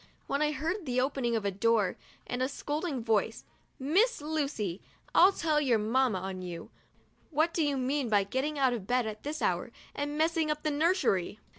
when I heard the open ing of a door and a scolding voice, " Miss Lucy, I'll tell your Mam ma on you! What do you mean by getting out THE DIARY OF A BIRTHDAY DOLL of bed at this hour and messing up the nursery?